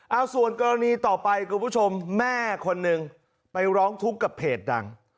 เอาส่วนกรณีต่อไปคุณผู้ชมแม่คนหนึ่งไปร้องทุกข์กับเพจดัง